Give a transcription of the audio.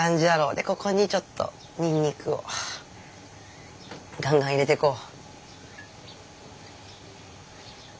でここにちょっとにんにくをガンガン入れてこう。